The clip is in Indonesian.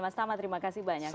mas tama terima kasih banyak